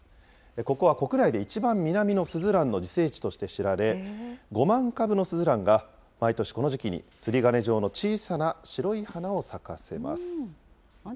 ここは国内で一番南のスズランの自生地として知られ、５万株のスズランが、毎年この時期に釣り鐘状の小さな白い花を咲かせます。